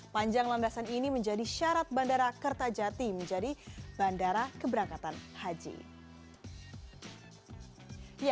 panjang landasan ini menjadi syarat bandara kertajati menjadi bandara keberangkatan haji